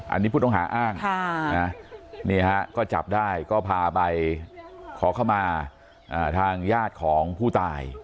อันนี้ผู้ต้องหาอ้างนี่ฮะก็จับได้ก็พาไปขอเข้ามาทางญาติของผู้ตาย